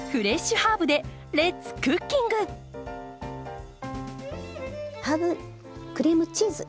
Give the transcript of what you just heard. ハーブクリームチーズ。